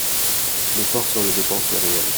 L’effort sur les dépenses est réel.